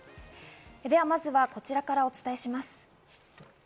ではまずはこちらからお伝えします。